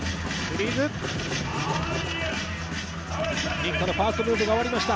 Ｎｉｃｋａのファーストムーブが終わりました。